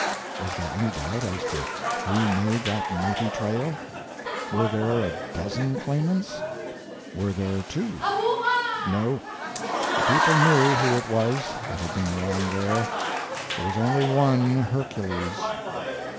Was there any doubt as to who made that mighty trail? Were there a dozen claimants? Where there two? No—the people knew who it was that had been along there: there was only one Hercules.